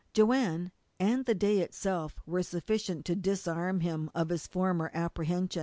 Joanne, and the day itself, were sufficient to disarm him of his former apprehension.